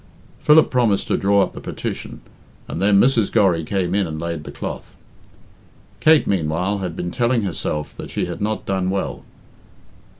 Philip promised to draw up the petition, and then Mrs. Gorry came in and laid the cloth. Kate, meanwhile, had been telling herself that she had not done well.